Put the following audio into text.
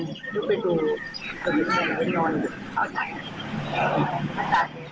ดูไปดูตื่นช่างไปนอนเข้าจัด